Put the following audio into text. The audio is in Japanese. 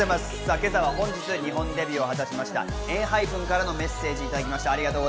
今朝は本日、日本デビューを果たしたＥＮＨＹＰＥＮからのメッセージをいただきました。